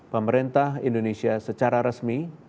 pemerintah indonesia secara resmi